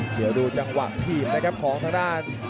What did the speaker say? เดี๋ยวดูจังหวะถีบนะครับของทางด้าน